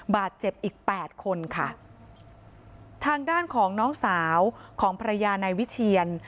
บาดเจ็บอีกแปดคนค่ะทางด้านของน้องสาวของภรรยานายวิเชียน